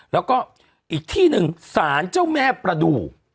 แล้วก็อีกที่หนึ่งสารเจ้าแม่ประดูก